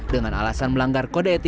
dengan alasan melanggar kode etik